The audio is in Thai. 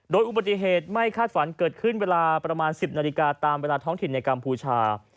โดยอุบัติเหตุไม่คาดฝันเกิดขึ้นเวลาประมาณ๑๐นาฬิกาตามเวลาท้องถิ่นในกัมพูชา